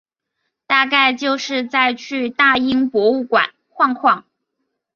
大概就是再去大英博物馆晃晃